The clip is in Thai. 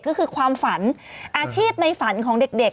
ก็คือความฝันอาชีพในฝันของเด็ก